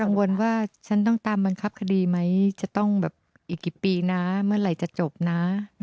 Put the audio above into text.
ไม่ต้องมากังวลว่าฉันต้องตามบันคับคดีไหมจะต้องแบบอีกกี่ปีนะเมื่อไหร่จะจบนะ